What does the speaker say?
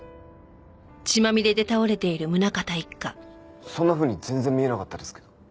えっそんなふうに全然見えなかったですけど。